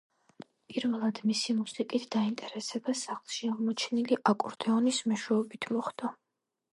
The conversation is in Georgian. პირველად მისი მუსიკით დაინტერესება სახლში აღმოჩენილი აკორდეონის მეშვეობით მოხდა.